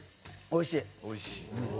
おいしい。